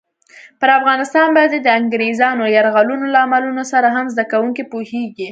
پر افغانستان باندې د انګریزانو یرغلونو لاملونو سره هم زده کوونکي پوهېږي.